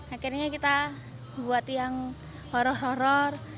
akhirnya kita buat yang horror horror